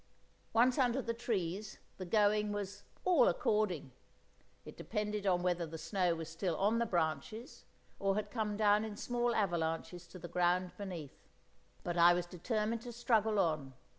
Once under the trees, the going was "all according"! It depended on whether the snow was still on the branches, or had come down in small avalanches to the ground beneath. But I determined to struggle on.